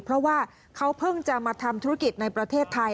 เพราะว่าเขาเพิ่งจะมาทำธุรกิจในประเทศไทย